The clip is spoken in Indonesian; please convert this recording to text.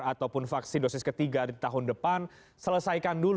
ataupun vaksin dosis ketiga di tahun depan